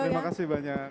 terima kasih banyak